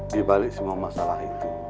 di balik semua masalah itu